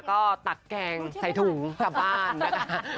ก็ตักแกงใส่ถุงกลับบ้านนะคะ